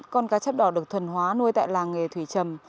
con cá chép đỏ được thuần hóa nuôi tại làng nghề thủy trầm